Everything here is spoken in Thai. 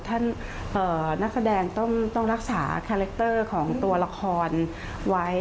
นักแสดงต้องรักษาคาแรคเตอร์ของตัวละครไว้